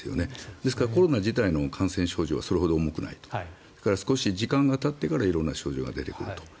ですから、コロナ自体の感染症状はそれほど重くないと。それから、少し時間がたってから色んな症状が出てくると。